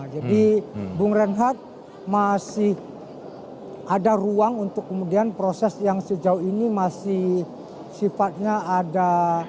jadi bung renhad masih ada ruang untuk kemudian proses yang sejauh ini masih sifatnya ada